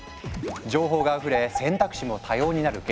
情報があふれ選択肢も多様になる現代。